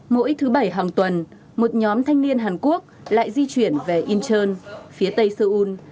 mỗi thứ bảy hàng tuần một nhóm thanh niên hàn quốc lại di chuyển về incheon phía tây seoul